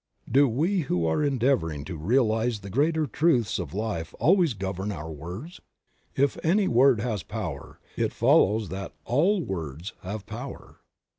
Do we who are endeavoring to realize the greater truths of life always govern our words? If any word has power, it follows that all words have power.